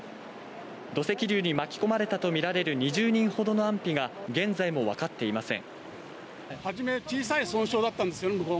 土石流に巻き込まれたとみられる２０人ほどの安否が現在も分かっていません。